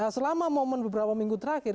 selama momen beberapa minggu terakhir